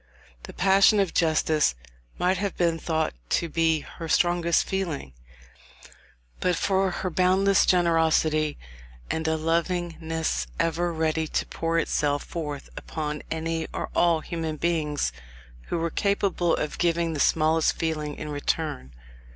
The passion of justice might have been thought to be her strongest feeling, but for her boundless generosity, and a lovingness ever ready to pour itself forth upon any or all human beings who were capable of giving the smallest feeling in return.